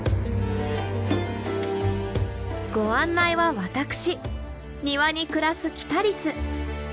ご案内は私庭に暮らすキタリス。